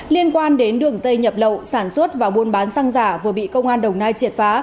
liên quan đến đường dây nhập lậu sản xuất và buôn bán xăng giả vừa bị công an đồng nai triệt phá